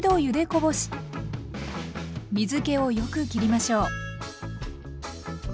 ゆでこぼし水けをよく切りましょう。